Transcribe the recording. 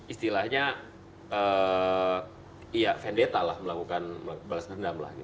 istilahnya vendetta lah melakukan balas dendam lah